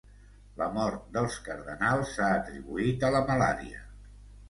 La mort dels cardenals s'ha atribuït a la malària.